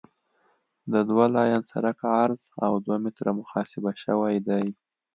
د دوه لاین سرک عرض اوه متره محاسبه شوی دی